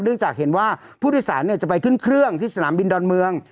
จากเห็นว่าผู้โดยสารจะไปขึ้นเครื่องที่สนามบินดอนเมือง